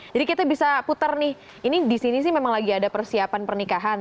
jadi kita bisa putar nih ini di sini sih memang lagi ada persiapan pernikahan